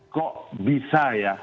kok bisa ya